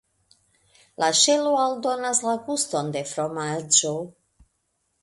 La ŝelo aldonas la guston de fromaĝo.